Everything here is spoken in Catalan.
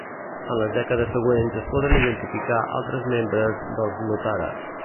En les dècades següents es poden identificar altres membres dels Notaras.